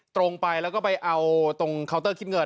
ตรงไปแล้วก็ไปเอาตรงเคาน์เตอร์คิดเงิน